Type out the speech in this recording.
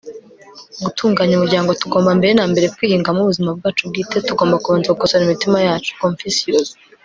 gutunganya umuryango, tugomba mbere na mbere kwihingamo ubuzima bwacu bwite; tugomba kubanza gukosora imitima yacu. - confucius